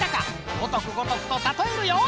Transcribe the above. ごとくごとくとたとえるよ！